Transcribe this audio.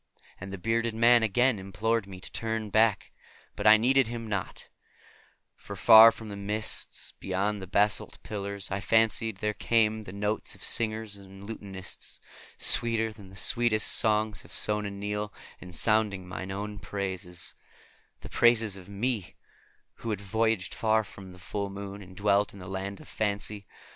And the bearded man again implored me to turn back, but I heeded him not; for from the mists beyond the basalt pillars I fancied there came the notes of singer and lutanist; sweeter than the sweetest songs of Sona Nyl, and sounding mine own praises; the praises of me, who had voyaged far under the full moon and dwelt in the Land of Fancy.